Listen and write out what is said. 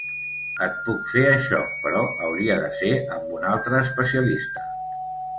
Et puc fer això, però hauria de ser amb un altre especialista.